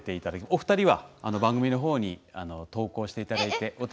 お二人は番組に投稿していただいて。